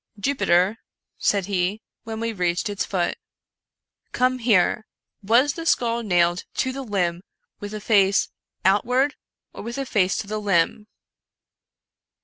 " Jupiter," said he, when we reached its foot, " come here ! was the skull nailed to the limb with the face out ward, or with the face to the limb